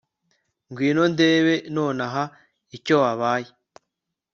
ngwino ndebe nonaha icyo wabaye